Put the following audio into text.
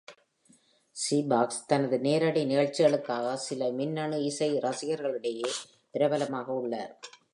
Ceefax தனது நேரடி நிகழ்ச்சிகளுக்காக சில மின்னணு இசை ரசிகர்களிடையே பிரபலமாக உள்ளார்.